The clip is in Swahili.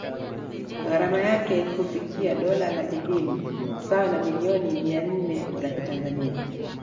Gharama yake hufikia dola laki mbili sawa na millioni mia nne za kitanzania